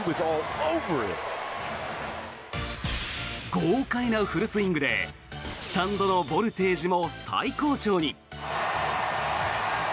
豪快なフルスイングでスタンドのボルテージも最高潮に。